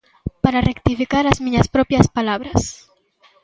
Para rectificar as miñas propias palabras.